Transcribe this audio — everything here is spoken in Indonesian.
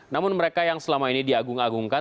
namun mereka yang selama ini diagung agungkan